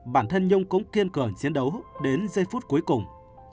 bản thân nhung cũng kiên cường chiến đấu đến giây phút cuối cùng